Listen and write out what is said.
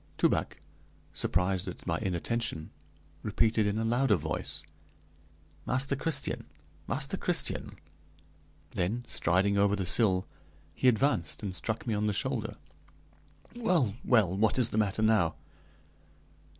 Toubac, surprised at my inattention, repeated in a louder voice: "Master Christian, Master Christian!" Then, striding over the sill, he advanced and struck me on the shoulder. "Well, well, what is the matter now?"